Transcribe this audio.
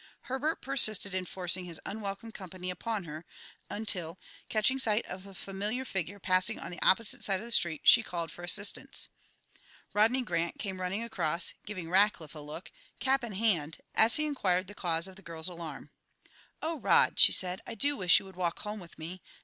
Herbert persisted in forcing his unwelcome company upon her until, catching sight of a familiar figure passing on the opposite side of the street, she called for assistance. Rodney Grant came running across, giving Rackliff a look, cap in hand, as he inquired the cause of the girl's alarm. "Oh, Rod," she said, "I do wish you would walk home with me.